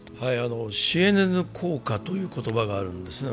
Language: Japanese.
ＣＮＮ効果という言葉があるんでね。